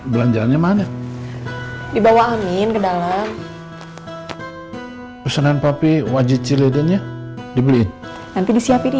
belanjaannya mana dibawa amin ke dalam usunan papi wajit cile dan ya dibeli nanti disiapin